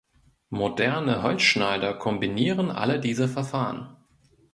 Moderne Holzschneider kombinieren alle diese Verfahren.